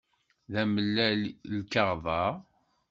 D amellal lkaɣeḍ-a?